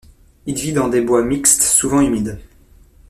Il vit dans des bois mixtes souvent humides.